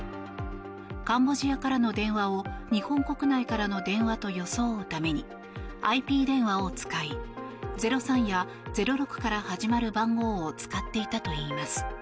カンボジアからの電話を日本国内からの電話と装うためにＩＰ電話を使い０３や０６から始まる番号を使っていたといいます。